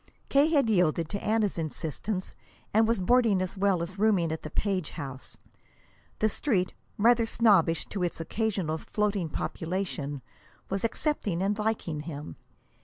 K. had yielded to Anna's insistence, and was boarding as well as rooming at the Page house. The Street, rather snobbish to its occasional floating population, was accepting and liking him.